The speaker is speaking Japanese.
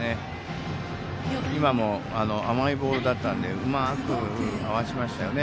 今も甘いボールだったのでうまく合わせましたよね。